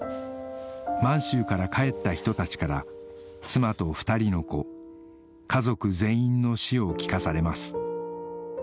満州から帰った人たちから妻と２人の子家族全員の死を聞かされます